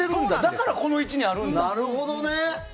だからこの位置にあるんだ。